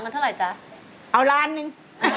เอาล้านหนึ่ง